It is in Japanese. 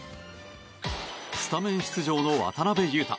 スタメン出場の渡邊雄太。